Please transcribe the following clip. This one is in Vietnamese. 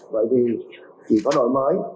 vậy thì chỉ có đội mới